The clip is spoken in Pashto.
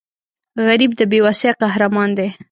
غریب د بې وسۍ قهرمان دی